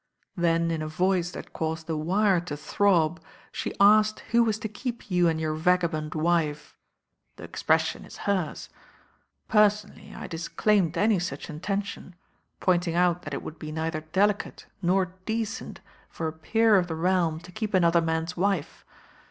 Then in a voice that caused the wire to throb she asked who was to keep you and your vagabond wife; the expression is hers. Personally, I dis claimed any such intention, pointing out that it would be neither delicate nor decent for a peer of the realm to keep anc*her man's wife.